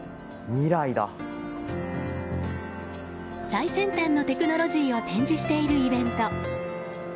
最先端のテクノロジーを展示しているイベント。